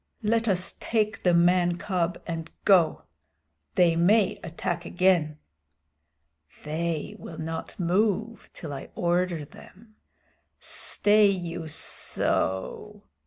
"Let us take the man cub and go. They may attack again." "They will not move till I order them. Stay you sssso!"